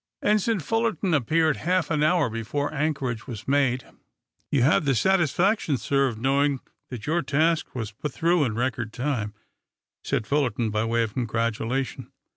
Ensign Fullerton appeared half an hour before anchorage was made. "You have the satisfaction, sir, of knowing that your task was put through in record time," said Fullerton, by way of congratulation.